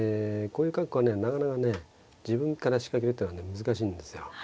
こういう格好はねなかなかね自分から仕掛けるってのはね難しいんですよ。